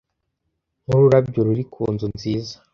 nkururabyo ruri kunzu nziza